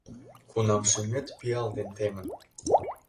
Кунам шÿмет пиал ден темын